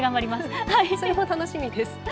それも楽しみです。